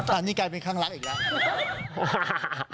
อันนี้กลายเป็นข้างรักอีกแล้ว